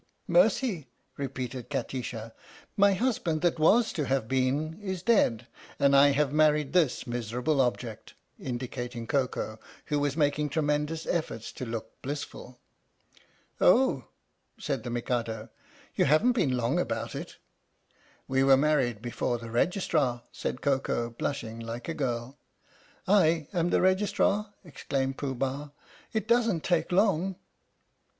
" Mercy!" repeated Kati sha. "My husband that was to have been is dead and I have married this miserable object !" indicating Koko, who was making tremendous efforts to look blissful. " Oh !" said the Mikado, " you haven't been long about it." 113 i THE STORY OF THE MIKADO " We were married before the Registrar," said Koko, blushing like a girl. "/am the Registrar," exclaimed Pooh Bah. " It doesn't take long."